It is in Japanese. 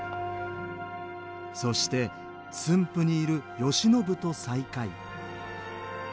そして駿府にいる慶喜と再会。